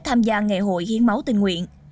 tham gia ngày hội hiến máu tình nguyện